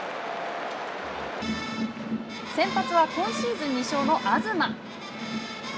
先発は、今シーズン２勝の東。